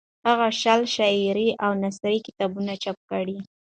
هغه شل شعري او نثري کتابونه چاپ کړي.